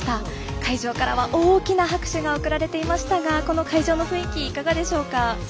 会場からは大きな拍手が送られていましたがこの会場の雰囲気いかがでしょうか。